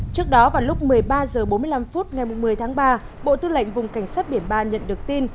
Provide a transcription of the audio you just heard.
trước đó vào lúc một mươi ba h bốn mươi năm phút ngày một mươi tháng ba bộ tư lệnh vùng cảnh sát biển ba nhận được tin